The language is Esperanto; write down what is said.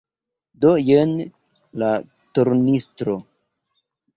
Do jen la tornistro.